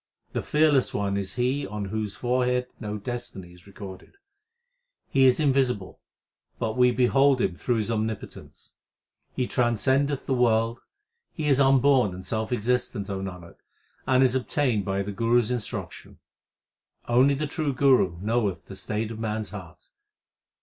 The Fearless One is He on whose forehead no destiny is recorded. He is in visible, but we behold Him through His omnipotence. He transcendeth the world , He is unborn and self existent, O Nanak, and is obtained by the Guru s in struction. Only the True Guru knoweth the state of man s heart.